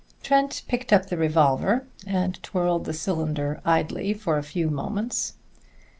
Trent picked up the revolver and twirled the cylinder idly for a few moments.